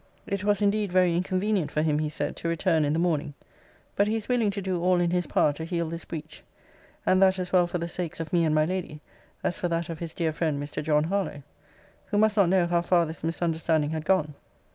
It was indeed very inconvenient for him, he said, to return in the morning; but he is willing to do all in his power to heal this breach, and that as well for the sakes of me and my lady, as for that of his dear friend Mr. John Harlowe; who must not know how far this misunderstanding had gone.